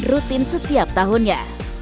routine setiap tahunnya